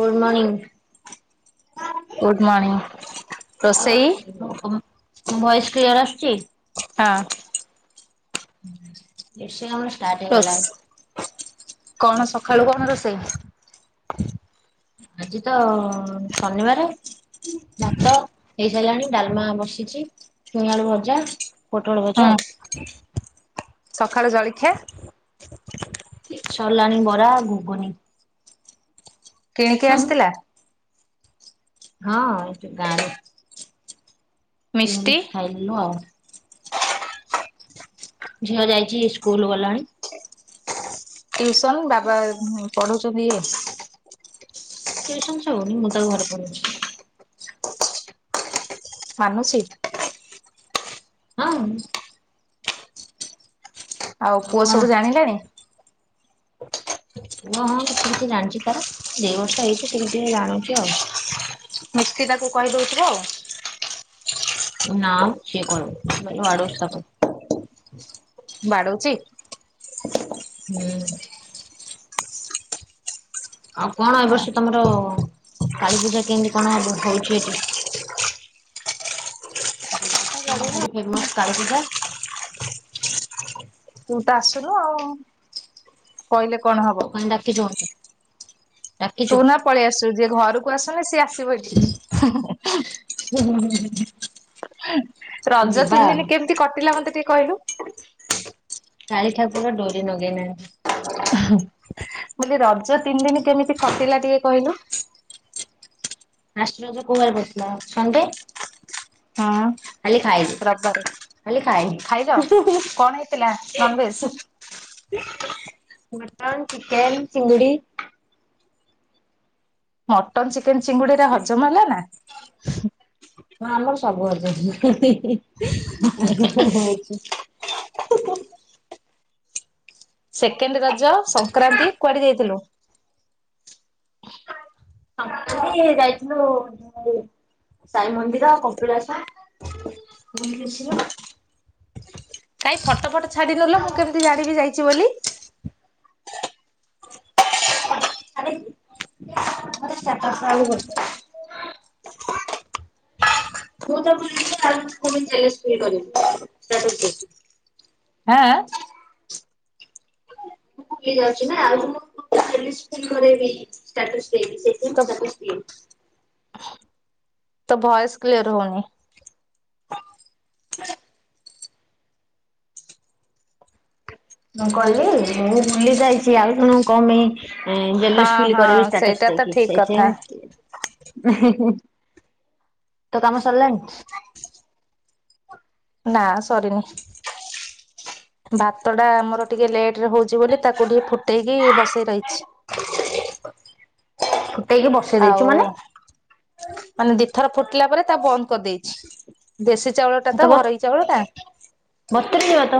Good morning good morning ରୋଷେଇ ସ୍ିୟ ଆସଛି। ହଁ। ଏ ଆମର ାଠି ରୋଷ୍ ଗଲାଏ। କଣ ସକାଳୁ କଣ ରୋଷେଇ? ଆଜି ତ ଶନିବାର ଭାତ ହେଇସାରିଲାଣି ଡାଲମା ବସିଛି ଛୁଁଆଳୁ ଭଜା ପୋଟଳ ହଁ। ଭଜା ସକାଳୁ ଜଳଖିଆ ସଲଣୀ ବରା ଘୁଗନୀ କିଣିକି ଆସିଥିଲା। ହଁ ଏଠୁ ଗାାର ମିଷ୍ଟି। କେମିତି ଖାଇଲୁ ଆଉ। ଝିଅ ଯାଇଛି ସ୍କୁଲ ଗଲାଣି। ୍ୟୁସନ ବାବା ପଢୁ ନିଅ। ସ୍ ନ ମୁଁ ତା ଘରେ ପେଇଛି। ମାନୁଚିତ ହଁ। ଆଉ ପୁଅ ସବୁ ଜାଣିଲାଣି। ଓଁ ହଁ। କିଛି କିଛି ଜାଣିଛି ତାର ଦି ବର୍ଷ ହେଇଛି ଟିକେ ଟିକେ ଜାଣୁଛି ଆଉ। ମିତି ତାକୁ କହିଦଉଥ ଆଉ। ନା କିଏ କର। ମ ଆଡ଼ୁସ୍ଥାପ। ବାଡୁଛି। ହୁଁ। ଆଉ କଣ ଏ ହଁ ବର୍ଷ ତମର କାଳୀପୂଜା କେମିତି କଣ ହଉଛି ଏଠି। ହଲି ଫେମସ କାଳୀ ପୂଜା। ତୁ ତ ଆସୁନୁ ଆଉ କହିଲେ। କଣ ହବ? ଦୁକାନଡାକି ଜୋଣ। ତୁ ନା ପଳେଇ ଆସୁଛୁ ଯିଏ ଘରକୁ। କୁ ଆସନ ସିଏସ। [inaudible] ଆ। ରଜ ତିନି ଦିନ କେମିତି କଟିଲା ମତେ ଟିକେ କହିଲୁ। କାଳି ଠାକୁର ଡୋରି ନଗେଇନାହି। ମୁଁ କହିଲି ରଜ ତିନି ଦିନ କେମିତି ଖଟିଲା ଟିକେ କହିଲୁ। ଫାଷ୍ଟ ରଜ କୋଉ ବାର ପଡ଼ିଥିଲା ସଣ୍ଡେ। ହଁ। ଖାଲି ଖାଇନି ରବିବାରେ ଖାଲି ଖାଇନି। ଖାଇଲ କଣ ହେଇଥିଲା ନନଭେଜ? ମଟନ୍ ଚିକେନ ଚିଙ୍ଗଡି। ମଟନ୍ ଶିଖ। ଚେକେନ୍ ଚିଙ୍ଗୁଡିରେ ହଜମ ହେଲା ନା। ହଁ ଆମର ସବୁ। [unintelligible] [inaudible] ସେକେଣ୍ଡ ରଜ ସଂକ୍ରାନ୍ତି କୁଆଡେ ଯାଇଥିଲୁ। ଯାଇଥିଲୁ ସାଇ ମନ୍ଦିର କପିଳାସ ବୁଲିଆସିଲୁ ଆଉ। କାଇ ଫଟୋ ଫଟ ଛାଡିନୁଲ ମୁଁ କେମିତି ଜାଣିବି ଯାଇଛି ବୋଲି। [unintelligible] ମୁଁ ତ ବୁଲିଲି। ହଁ। ମୁଁ ଯାଉଛି ନା ଆ ମୁଁ। ଦେଇକି ସେଇଥିପାଇଁ ମୁଁ ତ ଷ୍ଟାଟସ ଦିଏନି। ତ ଭଏସ କ୍ଲିୟର ହଉନି। ମୁଁ କହିଲି ମୁଁ ବୁଲି ଯାଇଛି ଆଉ ଜଣକୁ କଣପାଇଁ। ହଁ ଜଲଲସ ଫିଲ୍ ହଁ କରବି ଷ୍ଟାର୍ଟସ ସେଇଟା ତ ଦେଇକି ଠିକ କଥା ସେଥିପାଇଁ ମୁଁ ଦିଏନି। ତ କାମ ସରିଲାନି। ନା ସରିନି ଭାତ ଟା ଆମର ଟିକେ ଲେଟରେ ହଉଛି ବୋଲି ତାକୁ ଟିକେ ଫୁଟେଇକି ବସେଇ ରହିଛି। ଫୁଟେଇକି ବସେଇ ଦେଇଚୁ ଆଉ, ମାନେ ମାନେ ଦିଥର, ଫୁଟିଲା ପରେ ତା, ବ କରିଦେଇଛି ୲ ଦେଶୀ ଚାଉଳ ଟା ତ, ଘରୋଇ ଚାଉଳ ଟା। ବତୁରିଯିବ ତ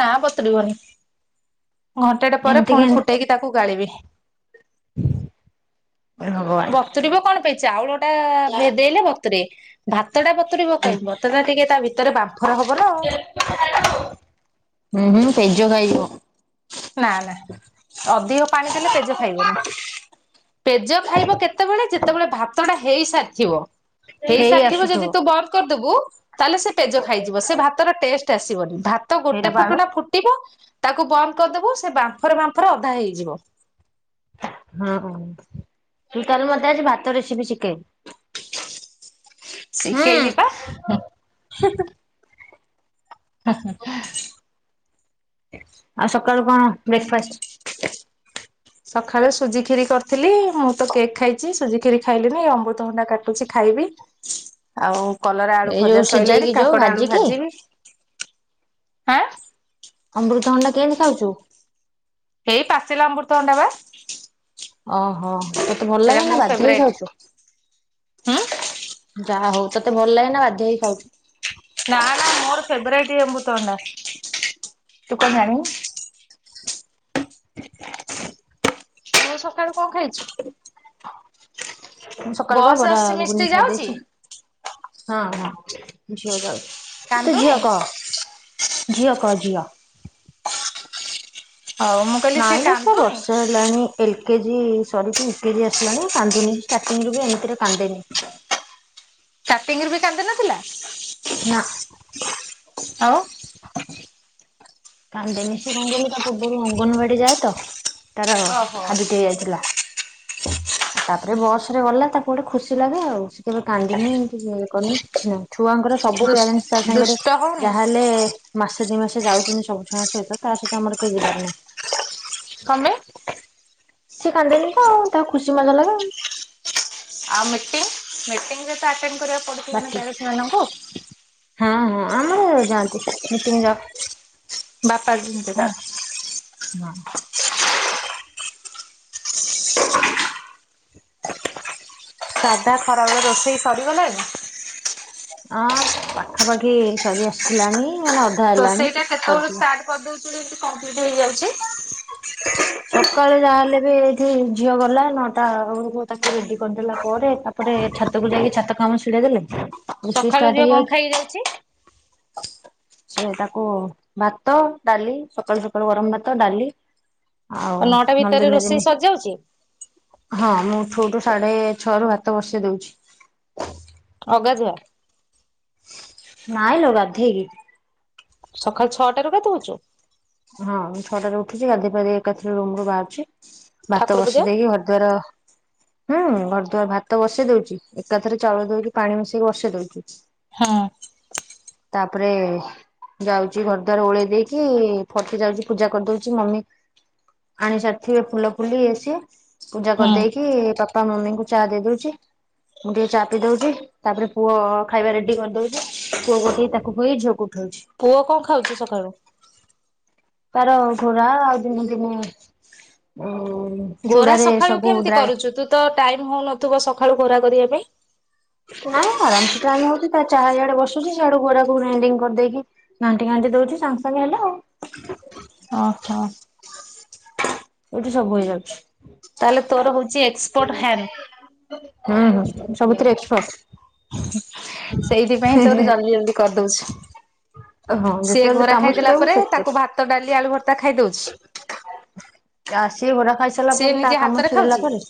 ନାଁ, ବତୁରିବନି ୲ ଘଣ୍ଟାଟେ ପରେ, ଏମିତି ପୁଣି କେମିତି ଫୁଟେଇକି, ତାକୁ ଗାଳିବେ। ଏ ଭଗବାନ। ବତୁରିବ, କଣ? ଏ, ଚାଉଳ ଟା, ଭେଦେଇଲେ ବତୁୁରେ, ଭାତ ଟା ବତୁରିବ କହିବ, ଭାତଟା ଟିକେ ତା ଭିତରେ, ବାମ୍ଫ ରେ, ହବ ନା। ହୁଁ, ହୁଁ, ପେଜ ଖାଇଯିବା। ନା, ନା ଅଧିକ ପାଣି, ଦେଲେ ପେଜ ଖାଇବନି। ପେଜ ଖାଇବ କେତେବେଳେ, ଯେତେବେଳେ ଭାତଟା ହେଇସାରିଥିବ। ହେଇ ସାରିଥିବ, ଯଦି ତୁ ବନ୍ଦ କରିଦବୁ ତାହେଲେ ସେ, ପେଜ ଖାଇଯିବ ୲ ସେ ଭାତର ଟେଷ୍ଟ, ଆସିବନି। ଭାତ, ଗୋଟେ ସେଇଟା ପାଳୁ ଫୁଟଣ, ଫୁଟିବ ତାକୁ, ବ କରିଦବୁ, ସେ ବାମ୍ଫରେ, ବାମ୍ଫରେ ଅଧା ହେଇଯିବ। ହୁଁ, ତୁ କରିବୁ, ମତେ ଆଜି ଭାତ, ରେସିପି ଶିଖେଇ ସିକେଇଲିପା ୲ ହୁଁ, ହୁଁ ହୁଁ, ହୁଁ ଆଉ ସକାଳୁ, କଣ ବ୍ରେକଫାଷ୍ଟ? ସକାଳେ, ସୁଜି ଖିରି କରିଥିଲି ୲ ମୁଁ, ତ କେକ୍ ଖାଇଛି ୲ ସୁଜି ଖିରି ଖାଇଲିନି, ଅମୃତଭଣ୍ଡା କାଟୁଛି, ଖାଇବି ଆଉ କଲରା, ଆଳୁ ଏଇ ଯୋଉ ଭଜା, ସିଝେଇକି ସଲାଣି ଯୋଉ କାଙ୍କଡ, ଆଳୁ ଭାଜିକି ଭାଜିବି। ଆଁ ଅମୃତ ହଣ୍ଡା, କେମିତି ଖାଇଛୁ? ହେଇ, ପାଚିଲା ଅବୃତଭଣ୍ଡା, ବା। ଓହୋ, ତତେ ଭଲ ସେଇଟା ଲାଗେ, ନା? ମୋ ବାଧ୍ୟ ହେଇ ଫେବରାଇଟ ଖାଉଛୁ? ହୁଁ ଯାହା ହଉ, ତତେ, ଭଲ ଲାଗେନା? ବାଧ୍ୟ ହେଇ, ଖାଉଛୁ? ନା, ନା ମୋର ଫେବରାଇଟ, ଏ ଅମୃତଭଣ୍ଡା ୲ତୁ, କଣ ଜାଣିନୁ ତୁ ସକାଳୁ, କଣ ଖାଇଛୁ? ମୁଁ, ସକାଳୁପା ବସ୍ ବରା, ଆସୁଛି ଗୁଗୁନି, ମିଷ୍ଟି ଯାଉଛି ଖାଇଦେଇଛି। ହଁ, ହଁ ଝିଅ, ଯାଉଛି। ତୁ ଝିଅ କାନ୍ଦୁନି କହ ଝିଅ, କହ ଝିଅ ହଉ ମୁଁ କହିଲି ନାଇଁ, ଲୋ ସେ କାନ୍ଦୁନି ବର୍ଷେ, ହେଲାଣି ଏ କେଜି, ସରିକି ଇଉ, କେଜି, ଆସିଲାଣି। କାନ୍ଦୁନି ସେ, ଷ୍ଟାର୍ଟଙ୍ଗ ରୁ ବି, ଏମିତିରେ, ଵି କାନ୍ଦେନି। ଷ୍ଟାର୍ଟଙ୍ଗି ରୁ ବି କାନ୍ଦୁ ନଥିଲା। ନା ଆଉ କାନ୍ଦେନି ସେ କଣ କହିଲୁ ତା ପୂର୍ବରୁ ଅଙ୍ଗନବାଡି ଯାଏ ତ ତାର ଓହୋ ହାବିଟି ହେଇଯାଇଥିଲା। ଆ, ତାପରେ ବସ୍ ରେ ଗଲା ତାକୁ ଗୋଟେ ଖୁସି ଲାଗେ ଆଉ। କେବେ କାନ୍ଦିନି କି [unintelligible] କରନି କିଛି [unintelligible] ଛୁଆଙ୍କର ସବୁ ପ୍ୟାରେଣ୍ଟସ୍ ତା ଦୁଷ୍ଟ ସାଙ୍ଗରେ ଦୁଷ୍ଟ ହଉନି ଯାହାହେଲେ ମାସ ସେ ଦି ମାସେ ଯାଉଚନି ସବୁ ଛୁଆଙ୍କ ସହିତ ତା ସହିତ ଆମର କେଇ ଜିବାରନାହିଁ। କଣ ପାଇଁ? ସେ କାନ୍ଦେନି ତ ଆଉ ତାକୁ ଖୁସି ମଜା ଲାଗେ। ଆଉ ମିଟିଂ ମିଟିଂରେ ତ ଆଟେଣ୍ଟ କରିବାକୁ ପଡୁଥୁବ ନା ବାଟି ପ୍ୟାରେନ୍ସ ମାନଙ୍କୁ? ହଁ ହଁ ଆମର ଯାଆନ୍ତି, ମିଟିଂ ର ବାପା ଯିନତେ ଧାଆଁ ନା ସାଧା ଖରା ବେଳ ରୋଷେଇ ସରିଗଲାଣି? ଅଁ ପାଖାପାଖି ସରି ଆସିଲାଣି। ମାନେ ଅଧା ହେଲାଣି ରୋଷେଇଟା କେତେବେଲଳୁ ସରିଯିବ। ଷ୍ଟାର୍ଟ କରିଦଉ ଚି ଯେମିତି କଂପ୍ଲିଟ୍ ହେଇଯାଉଛି। ସକାଳେ ଯାହାହେଲେ ବି ଏଇଠି ଝିଅ ଗଲା ନଅଟା ବେଳକୁ ତାକୁ ରେଡି କରିଦେଲା ପରେ, ତାପରେ ଛାତକୁ ଯାଇକି ଛାତ କାମ ଛିଡେଇ ଦେଲେ ରୋଷେଇ ସକାଳୁ ଷ୍ଟାର୍ଟ ଝିଅ କଣ ହେଇଯାଉଛି ଖାଇକି ଯାଉଛି? ସେ ତାକୁ ଭାତ, ଡାଲି ସକାଳୁ ସକାଳୁ ଗରମ ଭାତ ଡାଲି। ଆଉ କଣ ନଅଟା ନହେଲେ ଭିତରେ ଦିନେ ଦିନେ ରୋଷେଇ ସରଯାଉଚି? ହଁ ମୁଁ ଉଠୁ ଉଠୁ ସାଢେ ଛଅ ରୁ ଭାତ ବସେଇ ଦଉଛି। ଅଗାଧୁଆ? ନାଇଁ ଲୋ ଗାଧେଇ କି। ସକାଳ ଛଅଟାରୁ ଗାଧଉଛୁ। ହଁ ମୁଁ ଛଅଟା ରୁ ଉଠୁଚି, ଗାଧେଇ ପାଧେଇ ଏକାଥରେ ରୁମ୍ ରୁ ବାହାରୁଛି। ଭାତ ଠାକୁର ପୂଜା ବସେଇ ଦେଇକି ଘରଦ୍ୱାର ହୁଁ ଘର ଦୁଆର ଭାତ ବସେଇ ଦଉଚି, ଏକାଥରେ ଚାଉଳ ଦଉଚି ପାଣି ମିଶେଇକି ବସେଇ ଦଉଚୁ। ହଁ। ତାପରେ ଯାଉଚି ଘର ଦ୍ୱାର ଓଳେଇ ଦେଇକି ଫଟି ଯାଉଚି ପୂଜା କରିଦଉଚି, ମମି ଆଣି ସାରିଥିବେ ଫୁଲ ଫୁଲି ଇଏ ସିଏ। ପୂଜା ହୁଁ କରିଦେଇକି ପା ବାପା ମମିଙ୍କୁ ଚା ଦେଇ ଦଉଚି, ମୁଁ ଟିକେ ଚା ପିଇ ଦଉଚି, ତାପରେ ପୁଅ ଖାଇବା ରେଡି କରିଦଉଚି, ପୁଅକୁ ଉଠେଇ ତାକୁ ଖୋଇ ଝିଅକୁ ଉଠଉ ପୁଅ କଣ ଖାଉଛି ସକାଳୁ? ତାର ଘୋରା ଆଉ ଦିନେ ଦିନେ ଉଁ, ଘୋରା ଚୂଡାରେ ସକାଳୁ ସବୁ କେମତି ଡ୍ରାଏ କରୁଛୁ ତୁ ତ ଟାଇମ ହଉନଥିବ ସକାଳୁ ଘୋରା କରିବା [inaudible] ନାଇଁ ଆରାମ ସେ ଟାଇମ ହଉଛି ଚା ଇଆଡେ ବସୁଛି। ସିଇଆଡୁ ଗଡକୁ ଗ୍ରାଇଣ୍ଡିଙ୍ଗ କରିଦେଇକି ଘାଣ୍ଟି ଘାଣ୍ଟି ଦଉଛି ସାଙ୍ଗେ ସାଙ୍ଗେ ହେଲେ ଆଉ। ଓହୋ। ଏଇଠି ସବୁ ହେଇଯାଉଛି। ତାହେଲେ ତୋର ହଉଛି ଏକ୍ସପର୍ଟ ହ୍ୟାନ୍। ହୁଁ ହୁଁ ସବୁଥିରେ ଏକ୍ସପର୍ଟ। ସେଇଥିପାଇଁ ତୋର ଜଲଦି ଜଲଦି କରିଦଉଛି। ହଁ ସିଏ ଯେତେବେଳେ ଘୋରା କାମ ଖାଇଦେଲା ଛିଡଉ ପରେ ସେତ ତାକୁ ଭାତ ଡାଲି ଆଳୁ ଭର୍ତ୍ତା ଖାଇଦଉଛି। ଆସି ଘୋରା ଖାଇସାରିଲା ସେ ପରେ ତା ନିଜେ କାମ ହାତରେ ଚିଡେଇଲା ଖାଉଛି ପରେ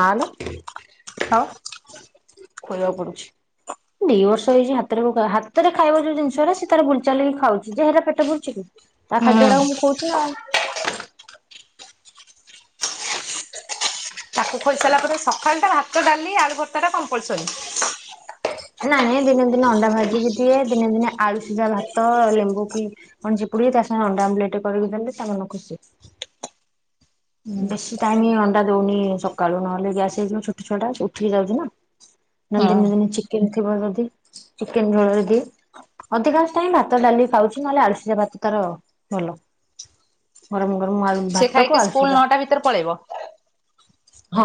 ନାଲୋ। [inaudible] ଖୁଆବାକୁ ପଡୁଛି ଦି ବର୍ଷ ହେଇଛି ହାତରେ ହାତରେ ଖାଇବା ଯୋଉ ଜିନିଷଟା ସେ ତାର ବୁଲଚା ଲକି ଖାଉଛି। ଯେ ହେରା ପେଟ ପୁରୁଛି କି? ତା ହୁଁ। ଖାଦ୍ୟ ଅରା କୁ ମୁଁ ଖୋଉଚିନା ଆଉ। ତାକୁ ଖୋଇସାରା ପରେ ସ ସଖାଳଟା ଭାତ ଡାଲି ଆଳୁ ଭର୍ତା ଟା କମ୍ପଲସରି। ନାଇ ନାଇଁ ଦିନେ ଦିନେ ଅଣ୍ଡା ଭାଜିିକି ଦିଏ ଦିନେ ଦିନେ ଆଳୁ ସିଝା ଭାତ ଲେମ୍ବୁ ପି ଅ ଜିପୁଡି କି ତା ସାଙ୍ଗ ଅଣ୍ଡା ଆମ୍ଲେଟ କରିକି ଦେଲେ ତା ମ ଖୁସି। ବେଶୀ ଟାଇମ୍ ଅ ଟା ଦଉନି ସକାଳୁ ନହେଲେ ଗ୍ୟାସ ହେଇଯିବ ଛୋଟ ଛୁଆଟା ସେ ଉଠିକି ଯାଉଛି ନା। ନ ଲେ ହଁ। ଦିନ ଦିନ ଚି କେନ୍ ଥିବ ଯଦି ଚିକେନ ଝୋଳରେ ଦିଏ। ଅଧିକାଂଶ ଟାଇମ୍ ଭାତ ଡାଲି ଖାଉଛି ନହେଲେ ଆଳୁ ସିଝା ଭାତ ତାର ଭଲ ମ ସେ ଖାଇକି ସ୍କୁଲ ନଅଟା ଭିତରେ ପଳେଇବ। ହଁ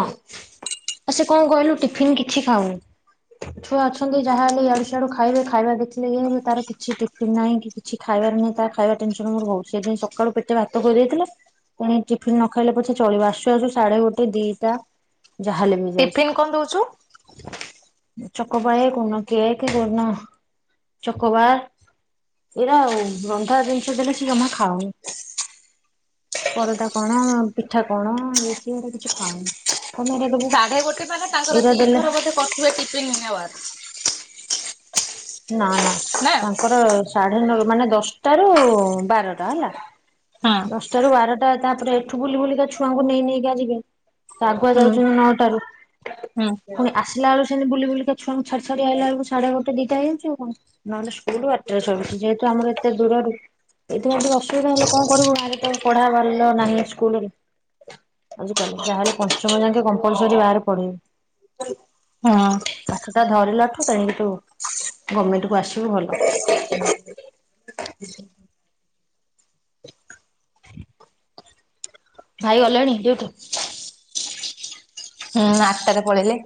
ସେ କଣ କହିଲୁ ଟିଫନ୍ କିଛି ଖାଉନି। ଛୁଆ ଅଛନ୍ତି ଯାହା ହେଲେ ୟଆଡୁ ସିଆଡୁ ଖାଇବେ ଖାଇବା ଦେଖିଲେ ଯେ ତାର କିଛି ଟିଫିିନ ନାହିଁ। କିଛି ଖାଇବାର ନାହିଁ।। ତା ଖାଇବା ଟେନସନ ମୋର ବହୁତୁ ସେଉଠୁ ସକାଳୁ ପେଟେ ଭାତ ଖଇଦେଇଥିଲେ ତେଣୁ ଟିଫିନ ନ ଖାଇଲେ ପଛେ ଚଳିବ। ଆସୁ ଆସୁ ସାଢେ ଗୋଟ ଦିଟା ଟିଫନ୍ କଣ ଦଉଛୁ। ଚକବାଏ, କନ କେକ୍ କନ ଚକବାଏ ଏରା ଆଉ ରନ୍ଧା ଜିନିଷ ଦେଲେ ସ ଜମା ଖାଉନି। ପରଟା କଣ, ପିଠା କଣ, ସିଏ ଏରା କିଛି ହଁ। ସାଢେ ଗୋଟେ ବାଲା ତାଙ୍କର ଦି ଥର ବୋଧେ କରିଥିବେ ଟିଫିନ୍ ୱାର। [inaudible] ନା ନା ତାଙ୍କର ସାଢ଼େ ନଅ ରୁ ମାନେ ଦଶଟ ରୁ ବାରଟା ହେଲା। ହଁ ଦଶଟା ରୁ ବାରଟା ତା ଏଠୁ ବୁଲି ବୁଲିକା ଛୁଆଙ୍କୁ ନେଇ ନେଇକା ଯିବେ। ତ ଆଗୁଆ ହୁଁ ଯାଉଛନ୍ତି ନଅଟାରୁ ହୁଁ ପୁଣି ଆସିଲା ବେଳ ସେମିତି ବୁଲି ବୁଲିକା ଛୁଆଙ୍କୁ ଛାଡ଼ି ଛାଡ଼ି ଆଇଲା ବେଳକୁ ସେ ଗୋଟେ ଦିଟା ହେଇଯାଉଚି ଆଉ କଣ ନଲେ ସ୍କୁଲ୍ ବାଟରେ ଯେହେତୁ ଆମର ଏତେ ଦୂରରୁ ଏଇଥିପାଇଁ ଟିକ ଅସୁବିଧା ହେଲେ କଣ କରିବୁ ବାରେ ତ ପଢା ଭଲ ନାହିଁ ସ୍କୁଲ୍ ରେ [inaudible] ଆଜି କାଲି ଯାହାହେଲେ ପଞ୍ଚମ ଯାକେ କମ୍ପଲ୍ସାରି ବାହାରେ ପଢେଇବି ହଁ। [inaudible] ପାଠଟା ଧରିଲାଠୁ କହିକି ତୁ ଗଭର୍ମେଣ୍ଟ କୁ ଆସିବୁ ଭଲ। [inaudible] [inaudible] ଭାଇ ଗଲେଣି ଡିୟଟି? ହୁଁ ଆଟାରେ ପଳେଇଲେ।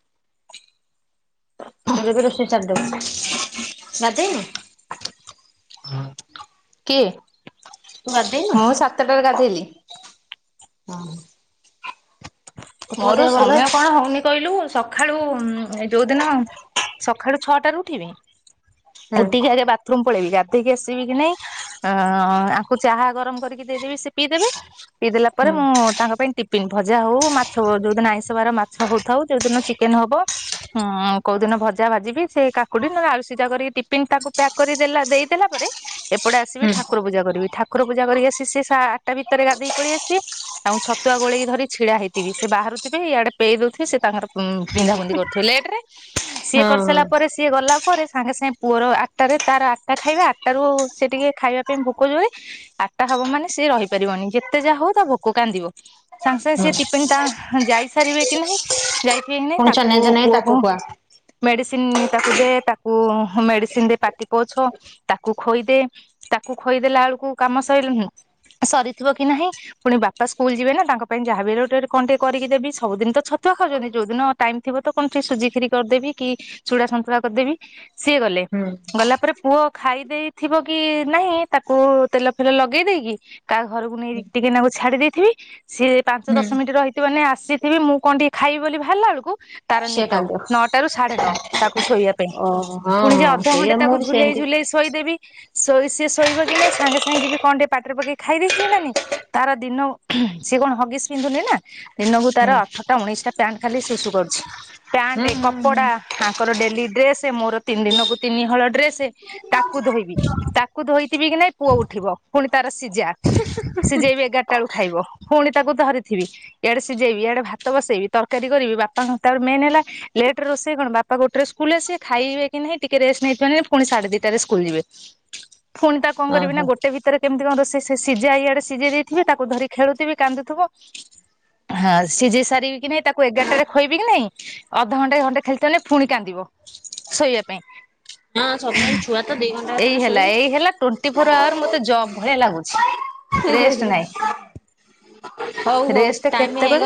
[inaudible] ତୋର ଏବେ ରୋଷେଇ [unintelligible] ସାରି ଦେଇନୁ। [inaudible] କିଏ ତୁ [inaudible] ଗାଧେଇନୁ ହଁ ସାତଟାରେ ଗାଧେଇଲି। ହଁ। ତୋ ପୁଅ ମୋର ଦେହ ଭଲ ସମୟ ଅଛି କଣ ହୋଉନି କହିଲୁ ସକାଳୁ ଯୋଉଦିନ ସକାଳୁ ଛଅଟାରୁ ଉଠିବି ହୁଁ ଉଟିକ ଆଗେ ବାଥରୁମ ପଳେଇବି କା ଏତିକି ଆସିବି କି ନାଇଁ [inaudible] ଆଙ୍କୁ ଚାହା ଗରମ କରିକି ଦେଇଦେବି ସେ ପିଇ ଦେବେ, ପିଇ ଦେଲା ପରେ ହୁଁ ମୁଁ ତାଙ୍କ ପାଇଁ ଟିପିନ ଭଜା ହଉ ମା ଯୋଉଦିନ ଆଇଁଷ ବାର ମାଛ ହୋଉଥାଉ ଯୋଉ ଦିନ ଚିକେନ ହବ ଉମ କୋଉଦିନ ଭଜା ଭାଜିିବି ସେ କାକୁଡି ନ ଆଳୁ ସିଝା କରିକି ଟିପିନ ତାକୁ ପ୍ୟାକ୍ କରିଦେଲା ଦେଇଦେଲା ପରେ ଏପଟେ ଆସିବି ହୁଁ ଠାକୁର ପୂଜା କରିବି, ଠାକୁର ପୂଜା କରିକ ଆସି ସେ ସେ ସା ଆଠଟା ଭିତରେ ଗାଧେଇ ପଳେଇ ଆସିଥିବେ, ତାଙ୍କୁ ଛତୁଆ ଗୋଳିକି ଧରି ଛିଡା ହେଇି ଟି ଭିି ସେ ବାହାରୁଥିବେ ଇଆଡେ ପେଏଇ ଦଉଥିବେ ସେ ତାଙ୍କର ପିନ୍ଧାପିନ୍ଧି କରୁଥିବେ ଲେଟ୍ ରେ ସିଏ ହଁ ହଁ କରିସାରିଲା ପରେ ସିଏ ଗଲା ତା ପରେ ସାଙ୍ଗେ ସାଙ୍ଗେ ପୁଅର ଆଠଟାରେ ତାର ଆଠଟା ଖାଇବା, ଆଠଟାରୁ ସେ ଟିକେ ଖାଇବା ପାଇଁ ଭୋକ ଯୋରେ ଆଠଟା ହବ ମାନେ ସିଏ ରହିପାରିବନି ଯେତେ ଯାହା ହୋଉ ତା ଭୋକ କାନ୍ଦିବ। ସାଙ୍ଗ ସା ସେ ହଁ ଟି [unintelligible] ତା ଯାଇସାରିବେ କି ନାହିଁ। ଯାଇଚି ନେ ପୁଣି ତାକୁ ଚେନେଇ ଚେନେଇ କୁ ତାକୁ କୁ ଖୁଆ ମେଡିସିନ ତିନି ତାକୁ ଦେ ତାକୁ ମେଡିସିନ ଦେ ପାଟି ପୋଛ, ତାକୁ ଖୋଇଦେ, ତାକୁ ଖୋଇଦେଲାଳକୁ କାମ ସ [inaudible] ସରିଥିବ କି ନାହିଁ ପୁଣି ବାପା ସ୍କୁଲ ଯିବେ ନା, ତାଙ୍କ ପାଇଁ ଯାହାବି ଗୋଟେ କଣ ଟିକେ କରିକି ଦେବି, ସବୁଦିନ ତ ଛତୁଆ ଖାଉଛନ୍ତି, ଯୋଉଦିନ ଟାଇମ ଥିବ ତ କଣ ଟିକେ ସୁଜି ଖିରି କରିଦେବି, କି ଚୁଡ଼ା ସନ୍ତୁଳା କରିଦେବି। ସିଏ ଗଲେ, ହୁଁ ଗଲା ପରେ ପୁଅ ଖାଇ ଦେଇେଇଥିବ କି ନାହିଁ, ତାକୁ ତେଲ ଫେଲ ଲଗେଇ ଦେଇକି କାହା ଘରକୁ ନେଇକ ଟିକେ ନାକୁ ଛାଡି ଦେଇଥିବି। ସେ ପାଞ୍ଚ ହୁଁ ଦଶ ସେମାନେ ଆସିଥିବେ, ମୁଁ କଣ ଟିକେ ଖାଇବି ବୋଲି ଭାରିଲା ବେଳକୁ ତାର ସେ ନିଦ, କାନ୍ଦିବ ନଅଟା ରୁ ସାଢେ ନଅ, ତାକୁ ଶୋଇବା ପାଇଁ ଓହୋ ହଁ ପୁଣି ଯେ ହଁ ଅଧଘଣ୍ଟେ ସେଇଆ ମୁଁ ତାକୁ ବି ଝୁଲେଇ ସେମିତି ଝୁଲେଇ ଶୋଇଦେବି, ଶୋଇ ସିଏ ଶୋଇବ କି ନାଇଁ ସାଙ୍ଗେ ସାଙ୍ଗେ ଯିବି କଣ ଟିକେ ପାଟିରେ ପକେଇ ଖାଇ ଦେଇେଇଥିବେ ନାନି, ତାର ଦିନ ସିଏ କଣ ହଗିସ୍ ପିନ୍ଧୁନି ନା। ଦିନକୁ ତାର ହୁଁ ଅଠଟା ଉଣେଇଶିଟା ପ୍ୟାଣ୍ଟ ଖାଲି ଶୁଶୁ କରୁଛି। ହୁଁ ପ୍ୟାଣ୍ଟେ ହୁଁ ହୁଁ କପଡ଼ା। ହାଙ୍କର ଡେଲି ଡ୍ରେସେ, ମୋର ତିନି ଦିନକୁ ତିନି ହଳ ଡ୍ରେସ, ତାକୁ ଧୋଇବି, ତାକୁ ଧୋଇଥିବି କି ନାଇଁ ପୁଅ ଉଠିବ, ପୁଣି ତାର ସିଝା, ସିଝେଇବି ଏଗାରଟା ବେଳକୁ ଖାଇବ, ପୁଣି ତାକୁ ଧରି [inaudible] ଇଆଡେ ସିଜେଇବି, ଇଆଡେ ଭାତ ବସେଇବି, ତରକାରୀ କରିବି, ବାପାଙ୍କ [unintelligible] ମେନ୍ ହେଲା ଲେଟରେ ରୋଷେଇ କଣ ବାପା ଗୋଟେରେ ସ୍କୁଲ ଆସିବେ ଖାଇବେ କି ନାହିଁ ଟିକେ ରେଷ୍ଟ ନେଇଥିବେ ନାଇ ପୁଣି ସାଢେ ଦିଟା ରେ ସ୍କୁଲ ଯିବେ। ଫୁଣି ତା କଣ କରିବି ନା ଓହୋ ଗୋଟେ ଭିତରେ କେମତି କଣ ରୋଷେ ସେ ସେ ସିଝା ଇଆଡେ ସିଝେଇ ଦେଇଥିବି ତାକୁ ଧରି ଖେଳୁଥିବି କାନ୍ଦୁଥିବ ହଁ ସିଝେଇ ସାରିବି କି ନାଇଁ, ତାକୁ ଏଗାରଟାରେ ଖୋଇବି କି ନାଇଁ, ଅଧଘଣ୍ଟାଏ ଘଣ୍ଟା ଖେଳିଥବ କି ନାଇ ପୁଣି କାନ୍ଦିବ, ଶୋଇବା ପାଇଁ। ହଁ ସବୁବେଳେ ଛୁଆ ତ ଦି ଘଣ୍ଟା ଏଇ ଥରେ ହେଲା ଶୋଇବେ ଏଇ ହେଲା ଟୋଣ୍ଟିଫୋର ଆୱାର ମତେ ଜବ ଭଳିଆ ଲାଗୁଛି ରେଷ୍ଟ ନାଇଁ। ହଉ ହଉ ଟାଇମ ହେଇଗଲା।